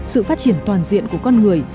sự phát triển toàn diện của con người